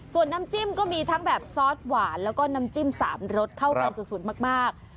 ส่วนน้ำจิ้มก็มีทั้งแบบซอสหวานแล้วก็น้ำจิ้ม๓รสเข้ากันสุดมาก